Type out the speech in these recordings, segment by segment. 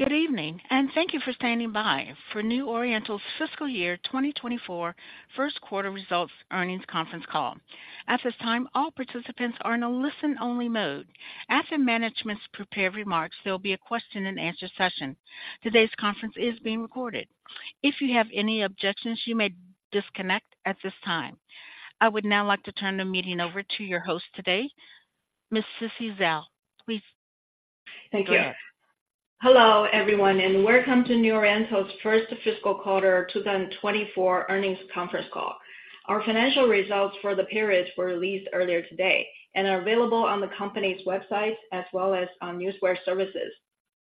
Good evening, and thank you for standing by for New Oriental's Fiscal Year 2024 First Quarter Results Earnings Conference Call. At this time, all participants are in a listen-only mode. After management's prepared remarks, there will be a question-and-answer session. Today's conference is being recorded. If you have any objections, you may disconnect at this time. I would now like to turn the meeting over to your host today, Miss Sisi Zhao. Please. Thank you. Hello, everyone, and welcome to New Oriental's first fiscal quarter 2024 earnings conference call. Our financial results for the period were released earlier today and are available on the company's website as well as on Newswire Services.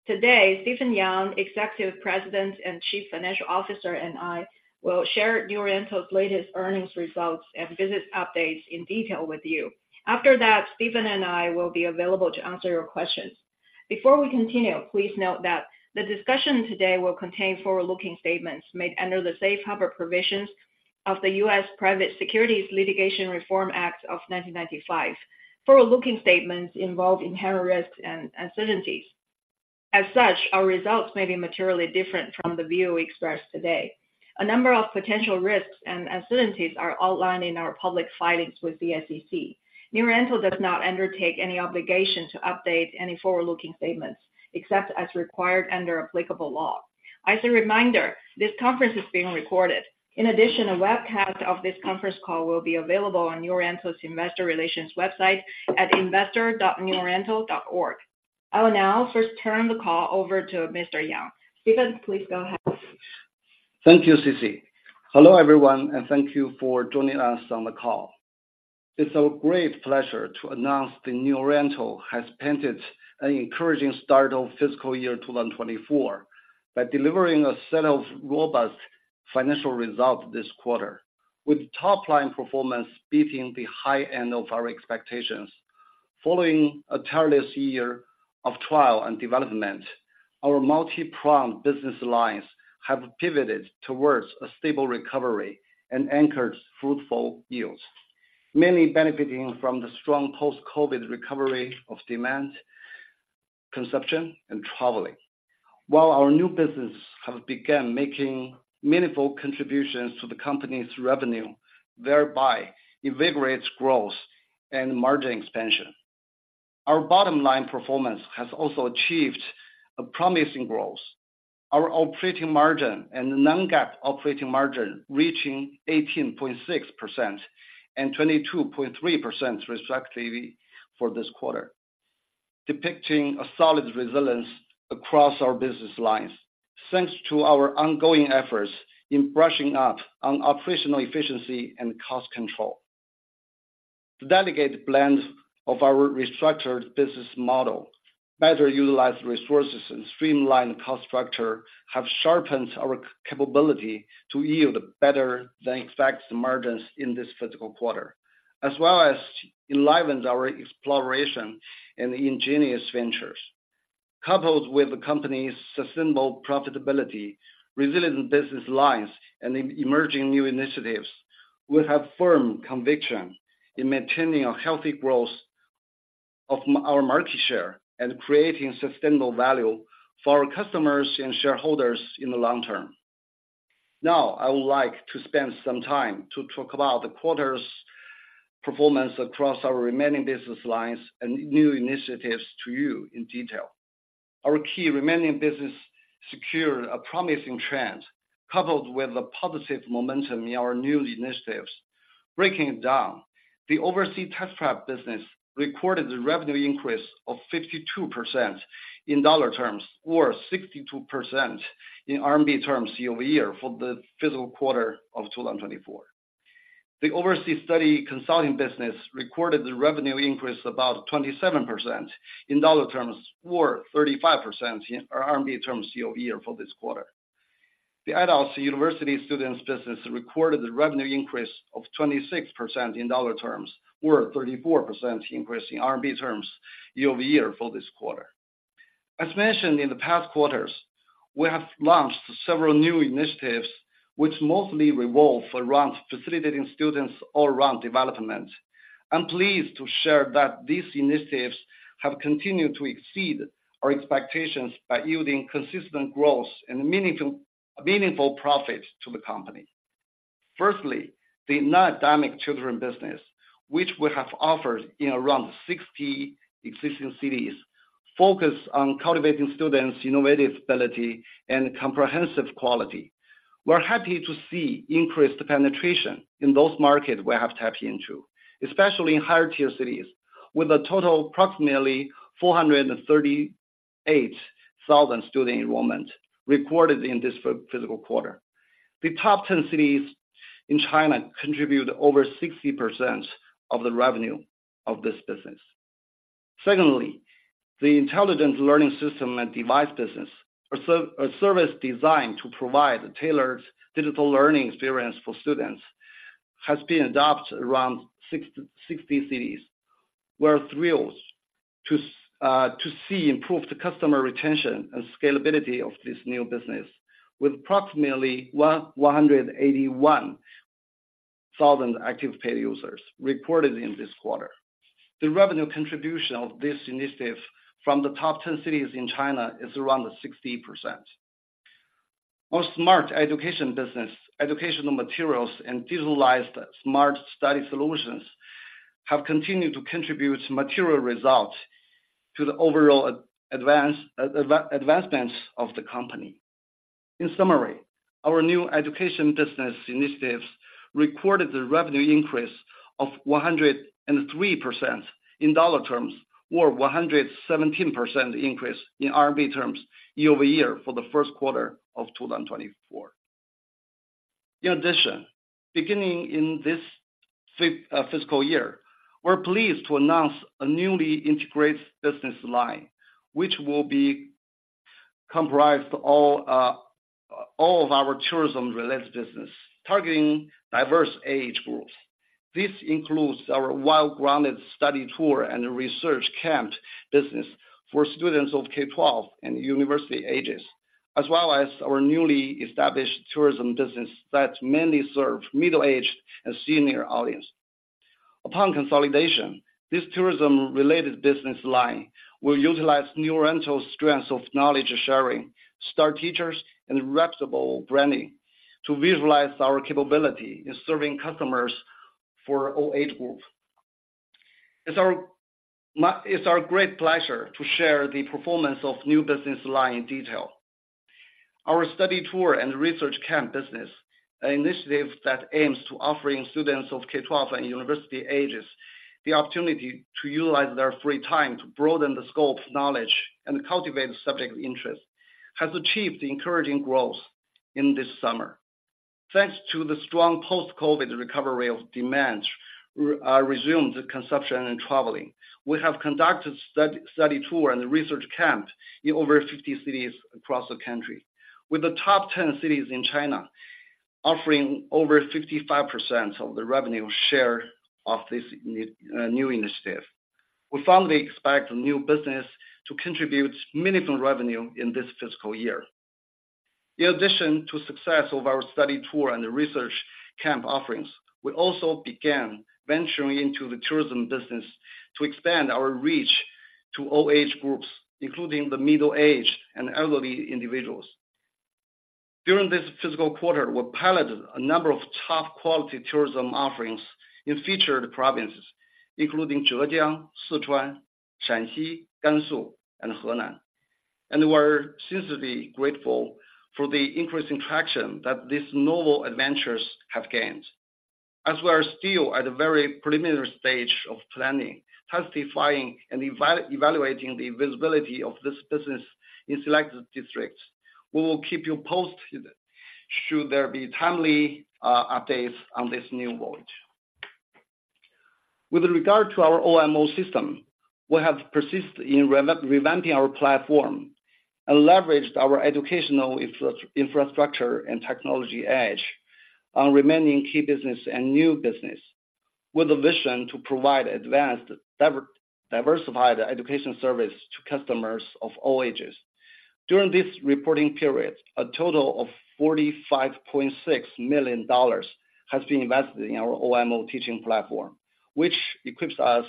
Today, Stephen Yang, Executive President and Chief Financial Officer, and I will share New Oriental's latest earnings results and business updates in detail with you. After that, Stephen and I will be available to answer your questions. Before we continue, please note that the discussion today will contain forward-looking statements made under the safe harbor provisions of the U.S. Private Securities Litigation Reform Act of 1995. Forward-looking statements involve inherent risks and uncertainties. As such, our results may be materially different from the view expressed today. A number of potential risks and uncertainties are outlined in our public filings with the SEC. New Oriental does not undertake any obligation to update any forward-looking statements, except as required under applicable law. As a reminder, this conference is being recorded. In addition, a webcast of this conference call will be available on New Oriental's investor relations website at investor.neworiental.org. I will now first turn the call over to Mr. Yang. Stephen, please go ahead. Thank you, Sisi. Hello, everyone, and thank you for joining us on the call. It's a great pleasure to announce that New Oriental has painted an encouraging start of fiscal year 2024 by delivering a set of robust financial results this quarter, with top-line performance beating the high end of our expectations. Following a tireless year of trial and development, our multi-pronged business lines have pivoted towards a stable recovery and anchors fruitful yields, mainly benefiting from the strong post-COVID recovery of demand, consumption, and traveling. While our new business have begun making meaningful contributions to the company's revenue, thereby invigorates growth and margin expansion. Our bottom-line performance has also achieved a promising growth. Our operating margin and non-GAAP operating margin reaching 18.6% and 22.3%, respectively, for this quarter, depicting a solid resilience across our business lines. Thanks to our ongoing efforts in brushing up on operational efficiency and cost control. The delicate blend of our restructured business model, better utilized resources, and streamlined cost structure have sharpened our capability to yield better-than-expected margins in this fiscal quarter, as well as enlivens our exploration and ingenious ventures. Coupled with the company's sustainable profitability, resilient business lines, and emerging new initiatives, we have firm conviction in maintaining a healthy growth of our market share and creating sustainable value for our customers and shareholders in the long term. Now, I would like to spend some time to talk about the quarter's performance across our remaining business lines and new initiatives to you in detail. Our key remaining business secured a promising trend, coupled with the positive momentum in our new initiatives. Breaking it down, the overseas test prep business recorded the revenue increase of 52% in dollar terms, or 62% in RMB terms year-over-year for the fiscal quarter of 2024. The overseas study consulting business recorded the revenue increase about 27% in dollar terms, or 35% in RMB terms year-over-year for this quarter. The adults and university students business recorded the revenue increase of 26% in dollar terms, or 34% increase in RMB terms year-over-year for this quarter. As mentioned in the past quarters, we have launched several new initiatives, which mostly revolve around facilitating students' all-round development. I'm pleased to share that these initiatives have continued to exceed our expectations by yielding consistent growth and meaningful, meaningful profit to the company. Firstly, the non-academic children business, which we have offered in around 60 existing cities, focus on cultivating students' innovative ability and comprehensive quality. We're happy to see increased penetration in those markets we have tapped into, especially in higher-tier cities, with a total approximately 438,000 student enrollment recorded in this fiscal quarter. The top 10 cities in China contribute over 60% of the revenue of this business. Secondly, the intelligent learning system and device business, a service designed to provide a tailored digital learning experience for students, has been adopted around 60 cities. We're thrilled to see improved customer retention and scalability of this new business, with approximately 181,000 active paid users reported in this quarter. The revenue contribution of this initiative from the top 10 cities in China is around 60%. Our smart education business, educational materials, and digitalized smart study solutions have continued to contribute material results to the overall advancements of the company. In summary, our new education business initiatives recorded the revenue increase of 103% in dollar terms, or 117% increase in RMB terms, year-over-year for the first quarter of 2024. In addition, beginning in this fiscal year, we're pleased to announce a newly integrated business line, which will be comprised all of our tourism-related business, targeting diverse age groups. This includes our well-grounded study tour and research camp business for students of K-12 and university ages, as well as our newly established tourism business that mainly serves middle-aged and senior audience. Upon consolidation, this tourism-related business line will utilize New Oriental's strength of knowledge sharing, star teachers, and reputable branding to visualize our capability in serving customers for all age groups. It's our great pleasure to share the performance of new business line in detail. Our study tour and research camp business, an initiative that aims to offering students of K-12 and university ages, the opportunity to utilize their free time to broaden the scope of knowledge and cultivate subject interest, has achieved encouraging growth in this summer. Thanks to the strong post-COVID recovery of demand, resumed consumption and traveling. We have conducted study tour and research camp in over 50 cities across the country, with the top 10 cities in China offering over 55% of the revenue share of this new initiative. We firmly expect new business to contribute meaningful revenue in this fiscal year. In addition to success of our study tour and research camp offerings, we also began venturing into the tourism business to expand our reach to all age groups, including the middle-aged and elderly individuals. During this fiscal quarter, we piloted a number of top-quality tourism offerings in featured provinces, including Zhejiang, Sichuan, Shaanxi, Gansu, and Henan, and we are sincerely grateful for the increasing traction that these novel adventures have gained. As we are still at a very preliminary stage of planning, testing, and evaluating the visibility of this business in selected districts, we will keep you posted, should there be timely updates on this new voyage. With regard to our OMO system, we have persisted in revamping our platform and leveraged our educational infrastructure and technology edge on remaining key business and new business, with a vision to provide advanced diversified education service to customers of all ages. During this reporting period, a total of $45.6 million has been invested in our OMO teaching platform, which equips us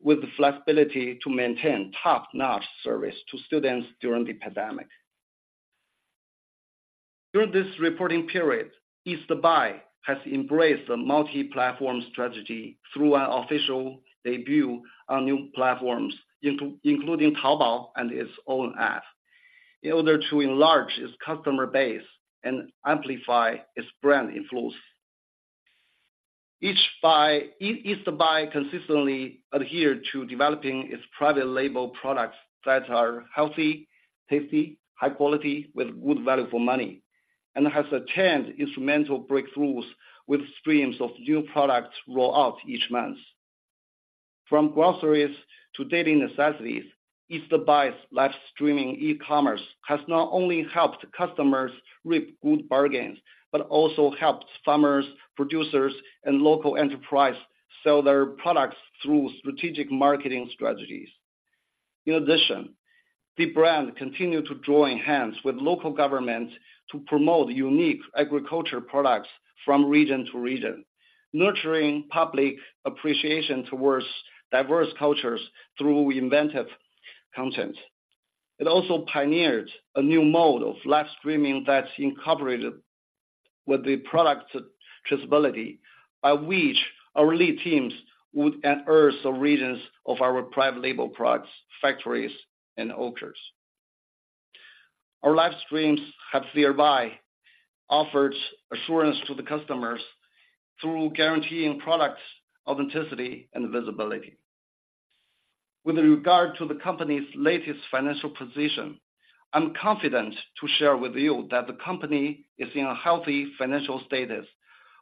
with the flexibility to maintain top-notch service to students during the pandemic. Through this reporting period, East Buy has embraced a multi-platform strategy through an official debut on new platforms, including Taobao and its own app, in order to enlarge its customer base and amplify its brand influence. East Buy consistently adhered to developing its private label products that are healthy, tasty, high quality, with good value for money, and has attained instrumental breakthroughs with streams of new products roll out each month. From groceries to daily necessities, East Buy's live streaming e-commerce has not only helped customers reap good bargains, but also helped farmers, producers, and local enterprise sell their products through strategic marketing strategies. In addition, the brand continued to join hands with local governments to promote unique agricultural products from region to region, nurturing public appreciation towards diverse cultures through inventive content. It also pioneered a new mode of live streaming that's incorporated with the product traceability, by which our lead teams would unearth the origins of our private label products, factories, and orchards. Our live streams have thereby offered assurance to the customers through guaranteeing products' authenticity and visibility. With regard to the company's latest financial position, I'm confident to share with you that the company is in a healthy financial status,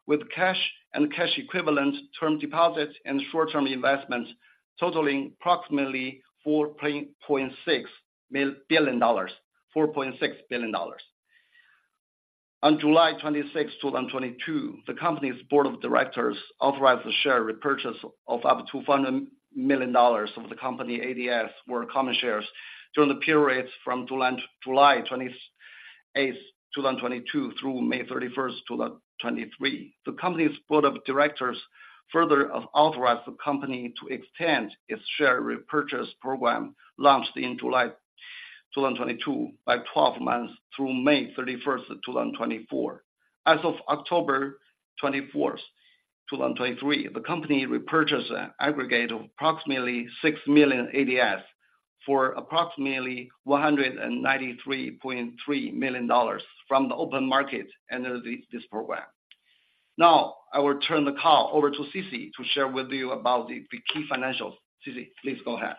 with cash and cash equivalents, term deposits, and short-term investments totaling approximately $4.6 billion. On July 26, 2022, the company's board of directors authorized the share repurchase of up to $200 million of the company ADS or common shares during the period from July 2022 through May 31, 2023. The company's board of directors further have authorized the company to extend its share repurchase program, launched in July 2022, by 12 months through May 31, 2024. As of October 24, 2023, the company repurchased an aggregate of approximately 6 million ADS for approximately $193.3 million from the open market under this program. Now, I will turn the call over to Sisi to share with you about the key financials. Sisi, please go ahead.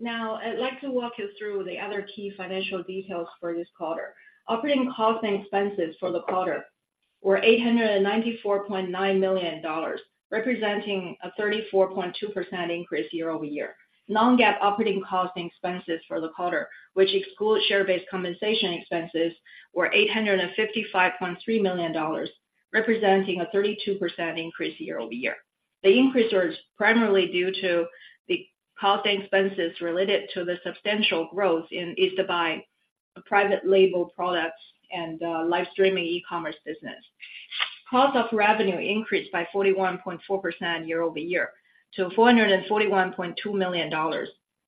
Now, I'd like to walk you through the other key financial details for this quarter. Operating costs and expenses for the quarter were $894.9 million, representing a 34.2% increase year-over-year. Non-GAAP operating costs and expenses for the quarter, which excludes share-based compensation expenses, were $855.3 million, representing a 32% increase year-over-year. The increase was primarily due to the cost and expenses related to the substantial growth in East Buy, private label products, and live streaming e-commerce business. Cost of revenue increased by 41.4% year-over-year to $441.2 million.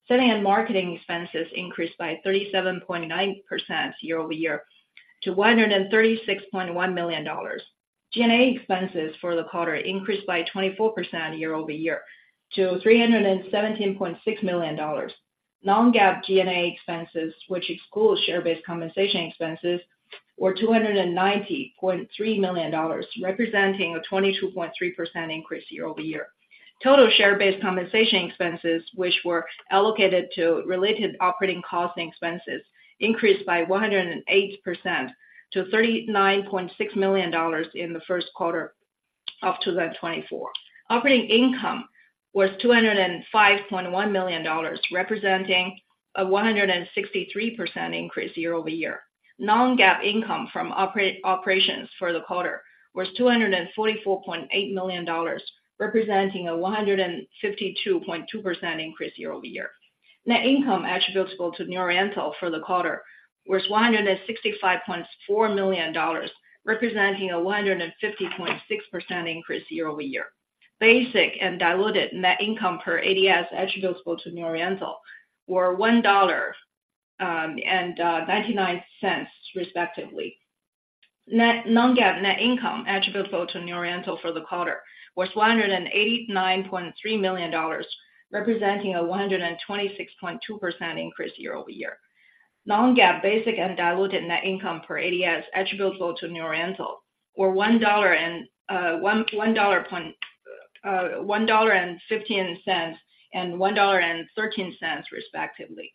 Selling and marketing expenses increased by 37.9% year-over-year to $136.1 million. G&A expenses for the quarter increased by 24% year-over-year to $317.6 million. Non-GAAP G&A expenses, which excludes share-based compensation expenses, were $290.3 million, representing a 22.3% increase year-over-year. Total share-based compensation expenses, which were allocated to related operating costs and expenses, increased by 108% to $39.6 million in the first quarter of 2024. Operating income was $205.1 million, representing a 163% increase year-over-year. Non-GAAP income from operations for the quarter was $244.8 million, representing a 152.2% increase year-over-year. Net income attributable to New Oriental for the quarter was $165.4 million, representing a 150.6% increase year-over-year. Basic and diluted net income per ADS attributable to New Oriental were $1.00 and $0.99, respectively. Non-GAAP net income attributable to New Oriental for the quarter was $189.3 million, representing a 126.2% increase year-over-year. Non-GAAP basic and diluted net income per ADS attributable to New Oriental were $1.15 and $1.13, respectively.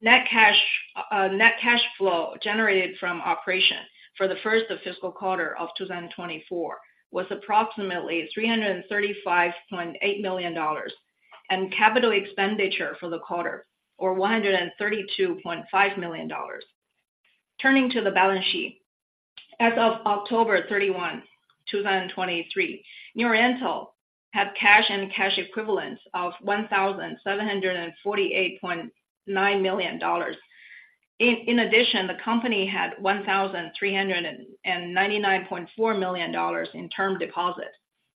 Net cash flow generated from operations for the first fiscal quarter of 2024 was approximately $335.8 million, and capital expenditure for the quarter were $132.5 million. Turning to the balance sheet. As of October 31, 2023, New Oriental had cash and cash equivalents of $1,748.9 million. In addition, the company had $1,399.4 million in term deposits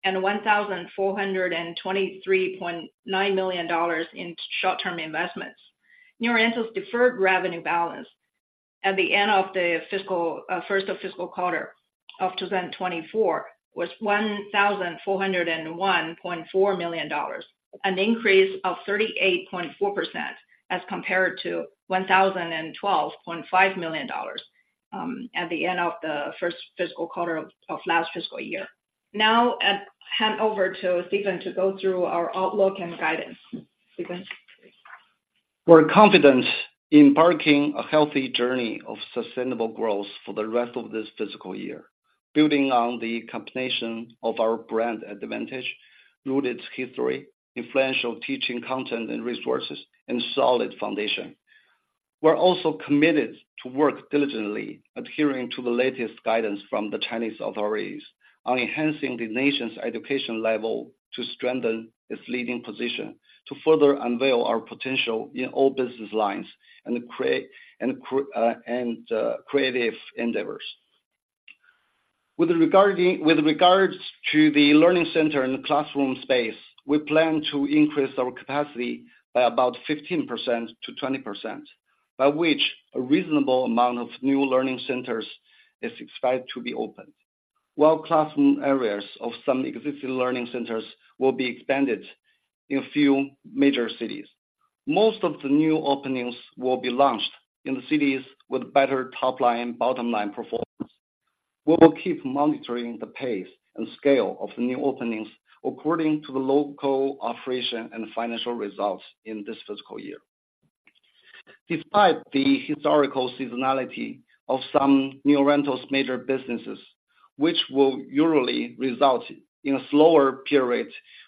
and $1,423.9 million in short-term investments. New Oriental's deferred revenue balance at the end of the fiscal first fiscal quarter of 2024 was $1,401.4 million, an increase of 38.4% as compared to $1,012.5 million at the end of the first fiscal quarter of last fiscal year. Now, I hand over to Stephen to go through our outlook and guidance. Stephen? We're confident embarking on a healthy journey of sustainable growth for the rest of this fiscal year, building on the combination of our brand advantage, rooted history, influential teaching content and resources, and solid foundation. We're also committed to work diligently, adhering to the latest guidance from the Chinese authorities on enhancing the nation's education level to strengthen its leading position, to further unveil our potential in all business lines and create and creative endeavors. With regards to the learning center and the classroom space, we plan to increase our capacity by about 15%-20%, by which a reasonable amount of new learning centers is expected to be opened. While classroom areas of some existing learning centers will be expanded in a few major cities, most of the new openings will be launched in the cities with better top line, bottom line performance. We will keep monitoring the pace and scale of the new openings according to the local operation and financial results in this fiscal year. Despite the historical seasonality of some New Oriental's major businesses, which will usually result in a slower period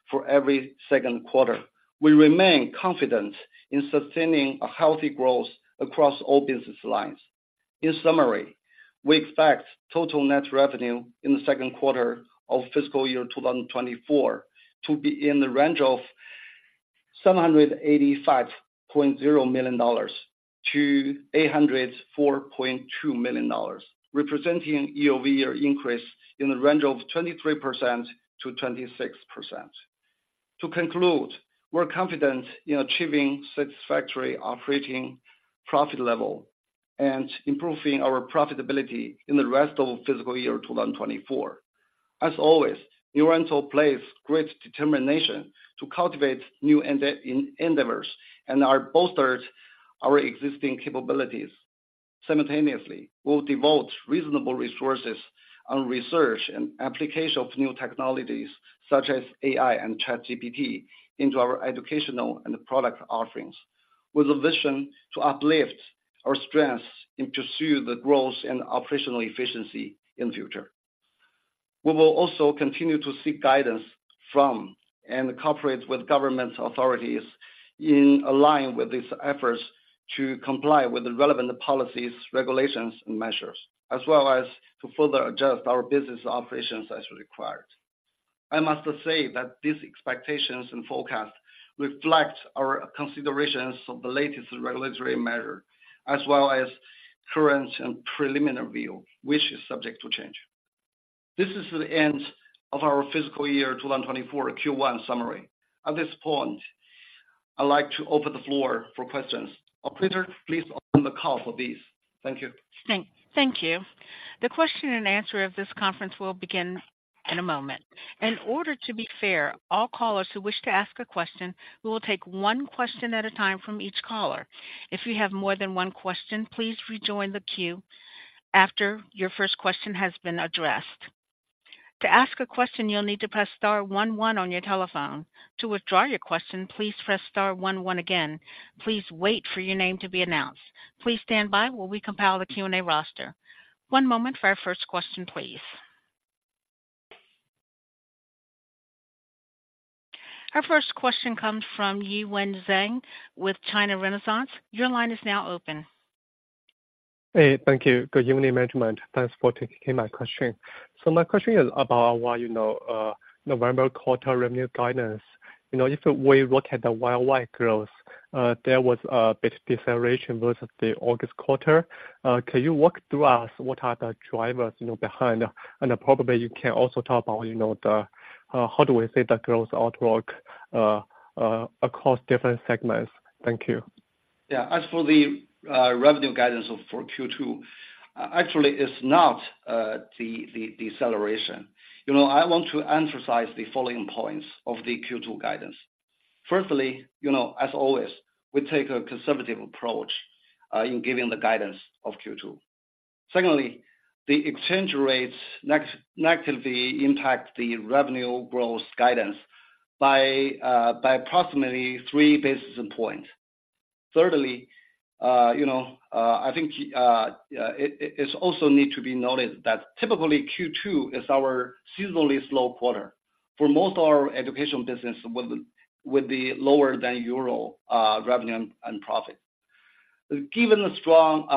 for every second quarter, we remain confident in sustaining a healthy growth across all business lines. In summary, we expect total net revenue in the second quarter of fiscal year 2024 to be in the range of $785.0 million-$804.2 million, representing a year-over-year increase in the range of 23%-26%. To conclude, we're confident in achieving satisfactory operating profit level and improving our profitability in the rest of fiscal year 2024. As always, New Oriental displays great determination to cultivate new endeavors and bolster our existing capabilities. Simultaneously, we'll devote reasonable resources to research and application of new technologies such as AI and ChatGPT into our educational and product offerings, with a vision to uplift our strengths and pursue the growth and operational efficiency in future. We will also continue to seek guidance from, and cooperate with government authorities in alignment with these efforts to comply with the relevant policies, regulations, and measures, as well as to further adjust our business operations as required. I must say that these expectations and forecasts reflect our considerations of the latest regulatory measures, as well as current and preliminary views, which are subject to change. This is the end of our fiscal year 2024 Q1 summary. At this point, I'd like to open the floor for questions. Operator, please open the call for this. Thank you. Thank you. The question and answer of this conference will begin in a moment. In order to be fair, all callers who wish to ask a question, we will take one question at a time from each caller. If you have more than one question, please rejoin the queue after your first question has been addressed. To ask a question, you'll need to press star one one on your telephone. To withdraw your question, please press star one one again. Please wait for your name to be announced. Please stand by while we compile the Q&A roster. One moment for our first question, please. Our first question comes from Yiwen Zhang with China Renaissance. Your line is now open. Hey, thank you. Good evening, management. Thanks for taking my question. So my question is about what, you know, November quarter revenue guidance. You know, if we look at the YY growth, there was a bit deceleration versus the August quarter. Can you walk through us what are the drivers, you know, behind? And then probably you can also talk about, you know, the, how do we see the growth outlook, across different segments? Thank you. Yeah, as for the revenue guidance for Q2, actually, it's not the deceleration. You know, I want to emphasize the following points of the Q2 guidance. Firstly, you know, as always, we take a conservative approach in giving the guidance of Q2. Secondly, the exchange rates negatively impact the revenue growth guidance by approximately three basis points. Thirdly, you know, I think, it's also need to be noted that typically Q2 is our seasonally slow quarter for most of our educational business, with the lower than usual revenue and profit. Given the strong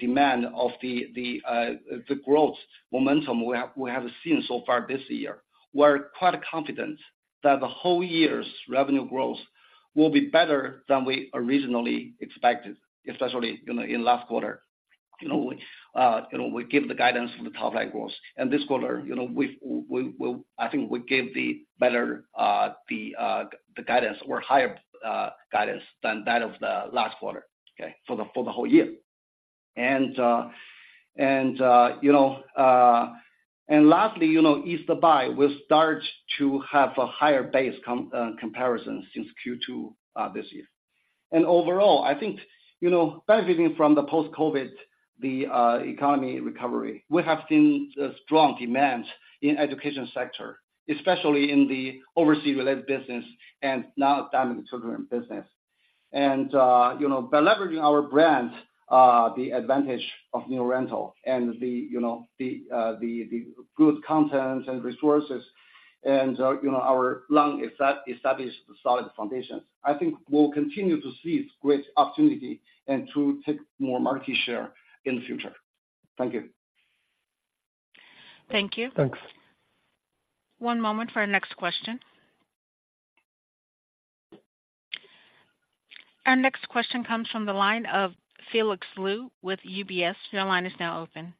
demand, the growth momentum we have seen so far this year, we're quite confident that the whole year's revenue growth will be better than we originally expected, especially, you know, in last quarter. You know, you know, we give the guidance for the top-line growth, and this quarter, you know, we've I think we gave the better the guidance or higher guidance than that of the last quarter, okay, for the whole year. And lastly, you know, East Buy will start to have a higher base comparison since Q2 this year. And overall, I think, you know, benefiting from the post-COVID, the economy recovery, we have seen a strong demand in education sector, especially in the overseas related business and now non-academic children business. You know, by leveraging our brand, the advantage of New Oriental and the, you know, the good content and resources and, you know, our long established, solid foundations, I think we'll continue to see great opportunity and to take more market share in the future. Thank you. Thank you. Thanks. One moment for our next question. Our next question comes from the line of Felix Liu with UBS. Your line is now open.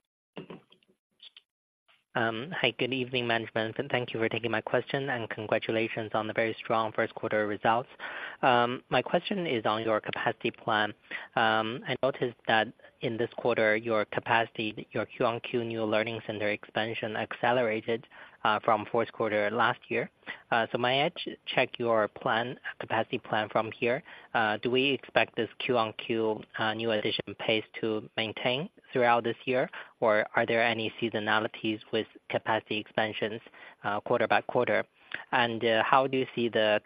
Hi, good evening, management, and thank you for taking my question, and congratulations on the very strong first quarter results. My question is on your capacity plan. I noticed that in this quarter, your capacity, your Q-on-Q new learning center expansion accelerated from fourth quarter last year. So may I check your plan, capacity plan from here? Do we expect this Q-on-Q new addition pace to maintain throughout this year, or are there any seasonalities with capacity expansions quarter by quarter? And how do you see the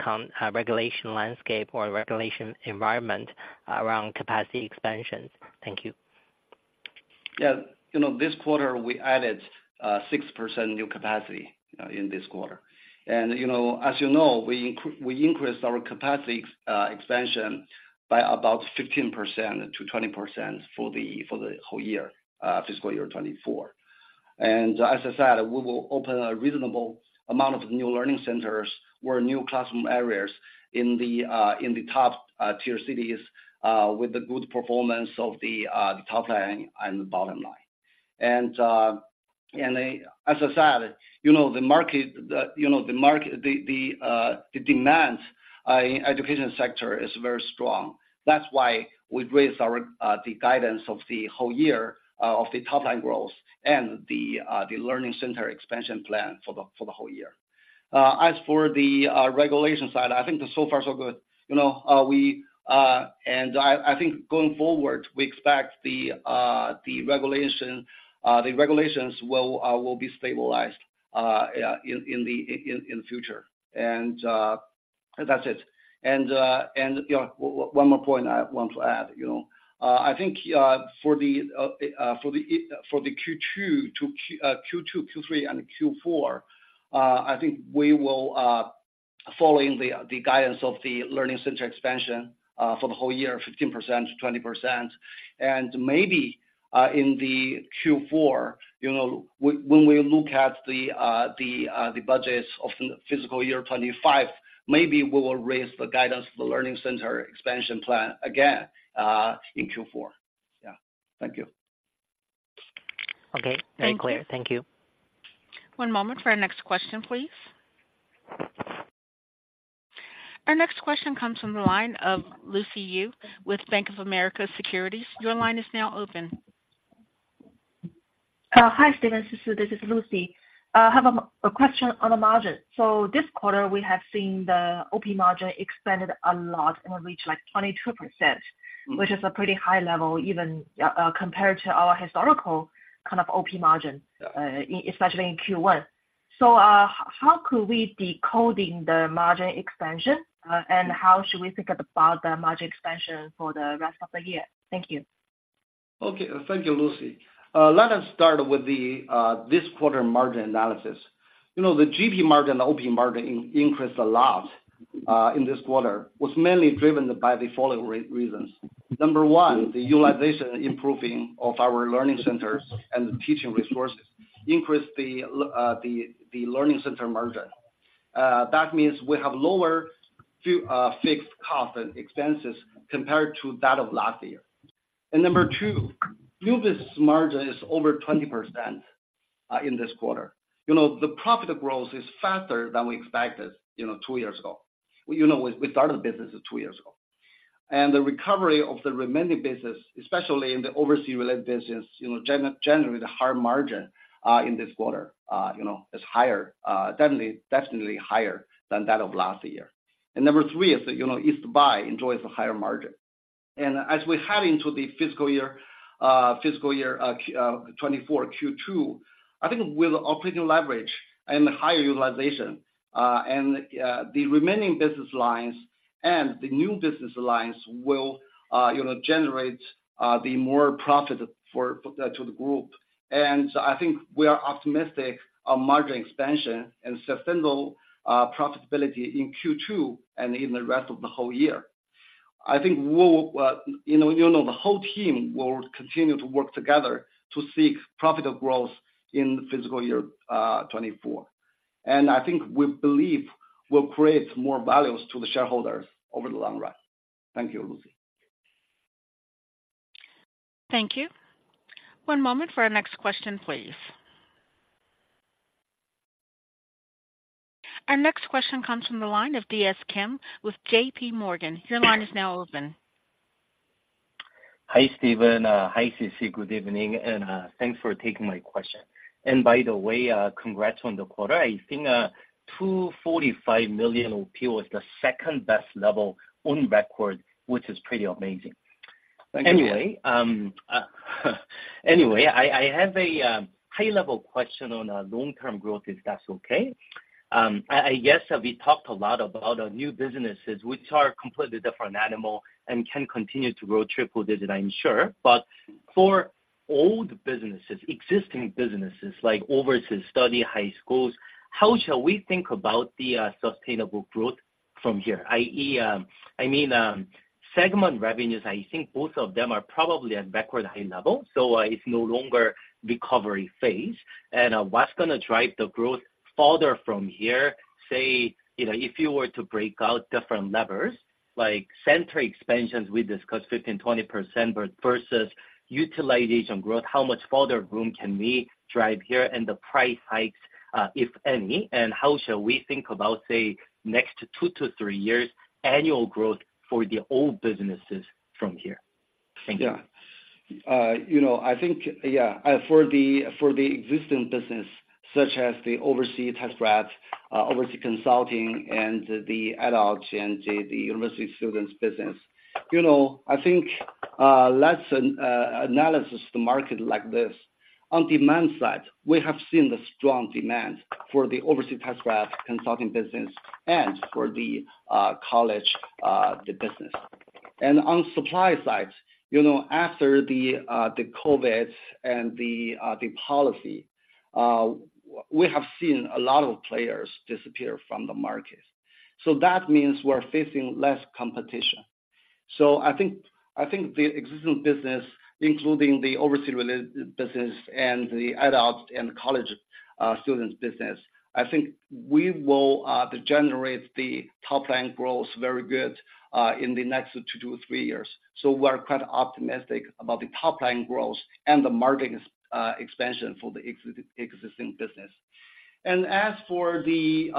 regulation landscape or regulation environment around capacity expansions? Thank you. Yeah. You know, this quarter, we added 6% new capacity in this quarter. And, you know, as you know, we increased our capacity expansion by about 15%-20% for the whole year, fiscal year 2024. And as I said, we will open a reasonable amount of new learning centers or new classroom areas in the top tier cities with the good performance of the top line and the bottom line. And, as I said, you know, the market, you know, the market, the demand in education sector is very strong. That's why we raised our guidance of the whole year of the top line growth and the learning center expansion plan for the whole year. As for the regulation side, I think so far so good. You know, we and I, I think going forward, we expect the regulations will be stabilized, yeah, in the future. And that's it. And you know, one more point I want to add, you know, I think for the Q2, Q3, and Q4, I think we will following the guidance of the learning center expansion for the whole year, 15%-20%. And maybe in the Q4, you know, when we look at the budgets of fiscal year 2025, maybe we will raise the guidance of the learning center expansion plan again in Q4. Yeah. Thank you. Okay. Very clear. Thank you. One moment for our next question, please. Our next question comes from the line of Lucy Yu with Bank of America Securities. Your line is now open. Hi, Stephen, Sisi, this is Lucy. I have a question on the margin. So this quarter, we have seen the OP margin expanded a lot and reached, like, 22%, which is a pretty high level, even compared to our historical kind of OP margin, especially in Q1. So how could we decode the margin expansion? And how should we think about the margin expansion for the rest of the year? Thank you. Okay. Thank you, Lucy. Let us start with this quarter margin analysis. You know, the GP margin, the OP margin increased a lot in this quarter, was mainly driven by the following reasons. Number one, the utilization improving of our learning centers and teaching resources increased the learning center margin. That means we have fewer fixed cost and expenses compared to that of last year. And number two, new business margin is over 20% in this quarter. You know, the profit growth is faster than we expected, you know, two years ago. You know, we started the business two years ago. The recovery of the remaining business, especially in the overseas-related business, you know, generally the higher margin in this quarter, you know, is higher, definitely, definitely higher than that of last year. Number three is that, you know, East Buy enjoys a higher margin. And as we head into the fiscal year 2024 Q2, I think with operating leverage and higher utilization, and the remaining business lines and the new business lines will, you know, generate the more profit for to the group. And I think we are optimistic on margin expansion and sustainable profitability in Q2 and in the rest of the whole year. I think we'll, you know, you know, the whole team will continue to work together to seek profitable growth in fiscal year 2024. I think we believe we'll create more values to the shareholders over the long run. Thank you, Lucy. Thank you. One moment for our next question, please. Our next question comes from the line of D.S. Kim with J.P. Morgan. Your line is now open. Hi, Stephen. Hi, Sisi. Good evening, and thanks for taking my question. And by the way, congrats on the quarter. I think $245 million OP was the second-best level on record, which is pretty amazing. Thank you. Anyway, anyway, I, I have a high-level question on long-term growth, if that's okay? I guess we talked a lot about our new businesses, which are a completely different animal and can continue to grow triple digits, I'm sure. But for old businesses, existing businesses, like overseas study high schools, how shall we think about the sustainable growth from here? I.e., I mean, segment revenues, I think both of them are probably at record high level, so it's no longer recovery phase. And what's gonna drive the growth further from here? Say, you know, if you were to break out different levers, like center expansions, we discussed 15%-20%, but versus utilization growth, how much further room can we drive here? The price hikes, if any, and how shall we think about, say, next 2-3 years annual growth for the old businesses from here? Thank you. Yeah. You know, I think, yeah, for the existing business, such as the overseas test prep, overseas consulting and the adults and the university students business, you know, I think, let's analyze the market like this. On demand side, we have seen the strong demand for the overseas test prep consulting business and for the college, the business.... On supply side, you know, after the COVID and the policy, we have seen a lot of players disappear from the market. So that means we're facing less competition. So I think, I think the existing business, including the overseas-related business and the adult and college students business, I think we will generate the top line growth very good in the next two to three years. So we're quite optimistic about the top line growth and the margin expansion for the existing business. And as for the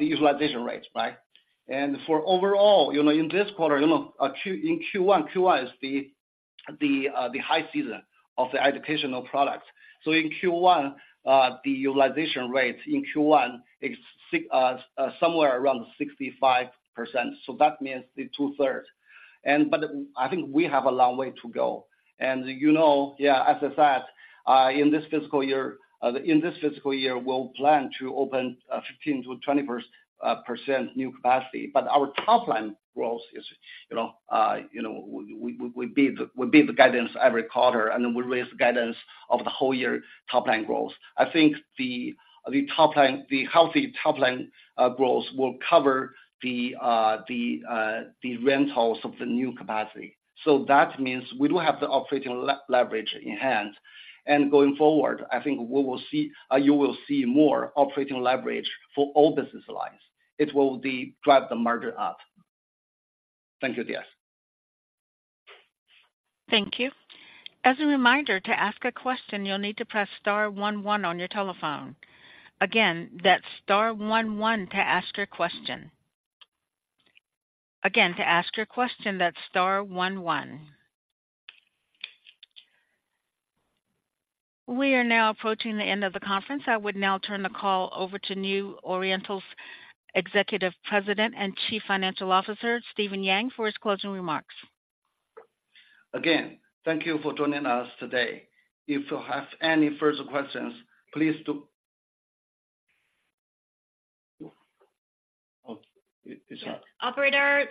utilization rates, right? And for overall, you know, in this quarter, you know, in Q1, Q1 is the high season of the educational products. So in Q1, the utilization rates in Q1 is somewhere around 65%, so that means the two-thirds. And but I think we have a long way to go, and, you know, yeah, as I said, in this fiscal year, in this fiscal year, we'll plan to open 15%-20% new capacity. But our top line growth is, you know, you know, we beat the guidance every quarter, and then we raise the guidance of the whole year top line growth. I think the top line, the healthy top line growth will cover the rentals of the new capacity. So that means we do have the operating leverage in hand. And going forward, I think we will see, you will see more operating leverage for all business lines. It will drive the margin up. Thank you, Diaz. Thank you. As a reminder, to ask a question, you'll need to press star one one on your telephone. Again, that's star one one to ask your question. Again, to ask your question, that's star one one. We are now approaching the end of the conference. I would now turn the call over to New Oriental's Executive President and Chief Financial Officer, Stephen Yang, for his closing remarks. Again, thank you for joining us today. If you have any further questions, please do... Oh, it's up. Operator,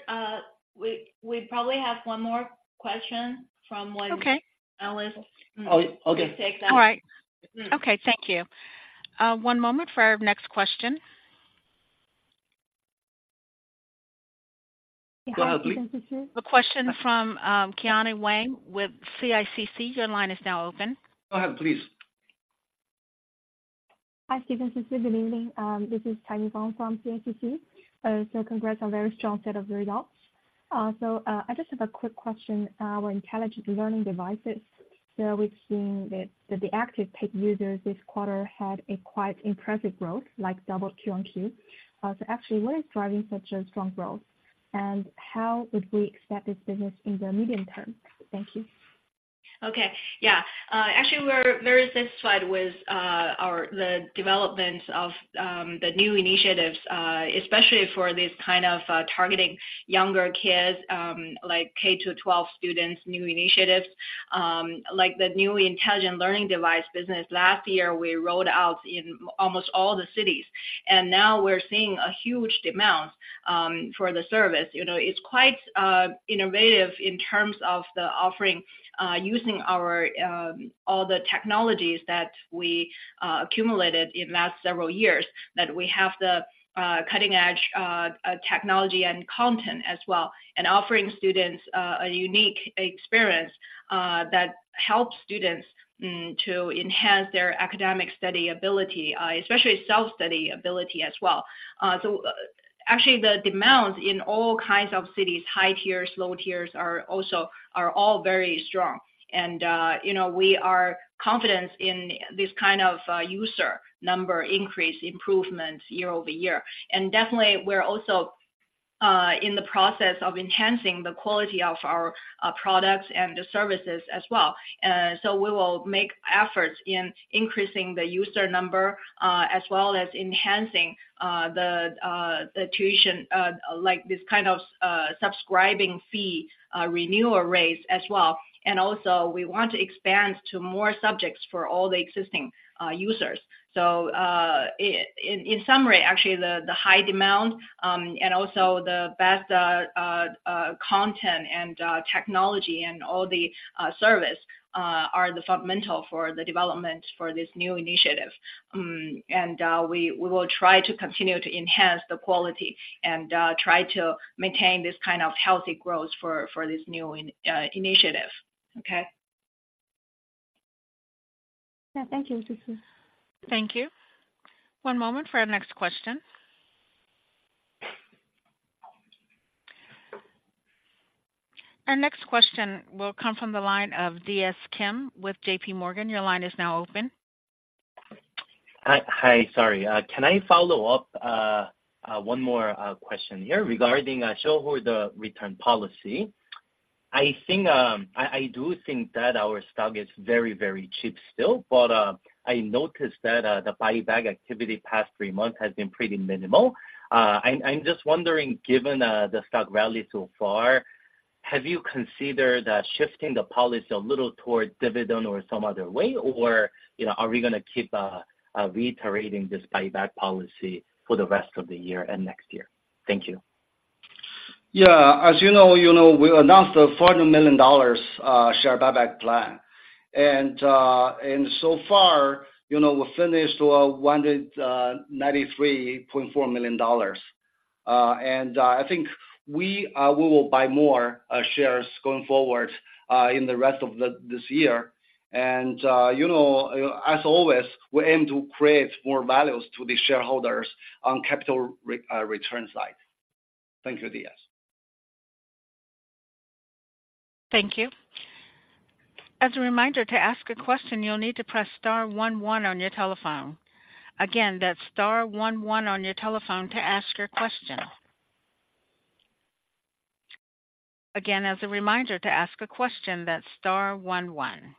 we probably have one more question from one- Okay. Oh, okay. All right. Okay, thank you. One moment for our next question. Go ahead, please. The question from Tianyi Wang with CICC. Your line is now open. Go ahead, please. Hi, Steven. Good evening. This is Tianyi Wang from CICC. So congrats on a very strong set of results. I just have a quick question. With intelligent learning devices, so we've seen that the active paid users this quarter had a quite impressive growth, like double Q on Q. So actually, what is driving such a strong growth? And how would we expect this business in the medium term? Thank you. Okay. Yeah. Actually, we're very satisfied with our the developments of the new initiatives, especially for these kind of targeting younger kids, like K-12 students, new initiatives. Like the new intelligent learning device business, last year, we rolled out in almost all the cities, and now we're seeing a huge demand for the service. You know, it's quite innovative in terms of the offering, using our all the technologies that we accumulated in last several years, that we have the cutting-edge technology and content as well, and offering students a unique experience that helps students to enhance their academic study ability, especially self-study ability as well. So actually, the demands in all kinds of cities, high tiers, low tiers, are also, are all very strong. You know, we are confident in this kind of user number increase improvements year over year. Definitely, we're also in the process of enhancing the quality of our products and the services as well. So we will make efforts in increasing the user number as well as enhancing the tuition, like this kind of subscription fee renewal rates as well. Also, we want to expand to more subjects for all the existing users. In summary, actually, the high demand and also the best content and technology and all the service are the fundamental for the development for this new initiative. We will try to continue to enhance the quality and try to maintain this kind of healthy growth for this new initiative. Okay? Yeah. Thank you. Sisi. Thank you. One moment for our next question. Our next question will come from the line of DS Kim with J.P. Morgan. Your line is now open. Hi. Hi, sorry. Can I follow up one more question here regarding shareholder return policy? I think I do think that our stock is very, very cheap still, but I noticed that the buyback activity past three months has been pretty minimal. I'm just wondering, given the stock rally so far, have you considered shifting the policy a little towards dividend or some other way? Or, you know, are we gonna keep reiterating this buyback policy for the rest of the year and next year? Thank you. Yeah, as you know, you know, we announced a $400 million share buyback plan. And so far, you know, we finished $193.4 million. And I think we will buy more shares going forward in the rest of this year. And you know, as always, we aim to create more values to the shareholders on capital return side. Thank you, DS. Thank you. As a reminder, to ask a question, you'll need to press star one one on your telephone. Again, that's star one one on your telephone to ask your question. Again, as a reminder, to ask a question, that's star one one.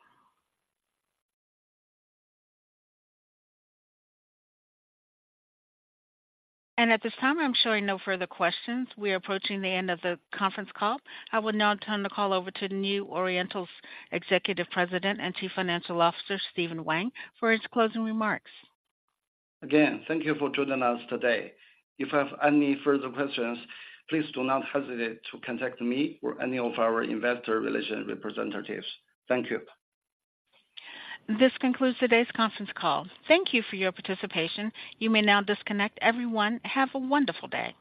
And at this time, I'm showing no further questions. We are approaching the end of the conference call. I would now turn the call over to New Oriental's Executive President and Chief Financial Officer, Stephen Yang, for his closing remarks. Again, thank you for joining us today. If you have any further questions, please do not hesitate to contact me or any of our investor relations representatives. Thank you. This concludes today's conference call. Thank you for your participation. You may now disconnect. Everyone, have a wonderful day.